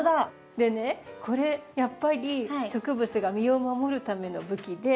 でねこれやっぱり植物が身を守るための武器で。